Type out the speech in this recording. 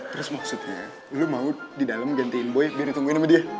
terus maksudnya dulu mau di dalam gantiin boy biar ditungguin sama dia